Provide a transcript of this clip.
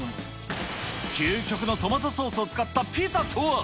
究極のトマトソースを使ったピザとは。